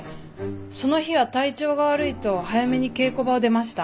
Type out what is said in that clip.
その日は体調が悪いと早めに稽古場を出ました。